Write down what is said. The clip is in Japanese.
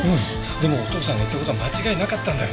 でもお父さんが言った事は間違いなかったんだよ。